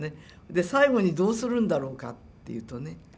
最後にどうするんだろうかっていうとね